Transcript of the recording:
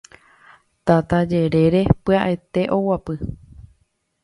tata jerére pya'ete oguapy